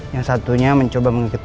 yang satunya mencoba mengikuti